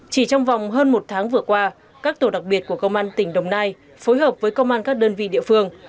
chỉ trong vòng hơn một tháng vừa qua các tổ đặc biệt của công an tỉnh đồng nai phối hợp với công an các đơn vị địa phương